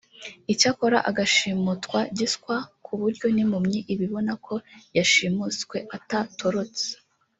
icyakora agashimutwa giswa ku buryo n’impumyi ibibona ko yashimuswe atatorotse